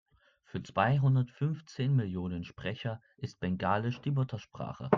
Für zweihundert-fünfzehn Millionen Sprecher ist Bengalisch die Muttersprache.